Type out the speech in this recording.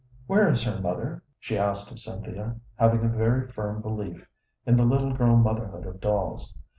"Where is her mother?" she asked of Cynthia, having a very firm belief in the little girl motherhood of dolls.